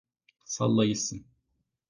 Salla gitsin!